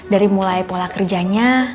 dari mulai pola kerjanya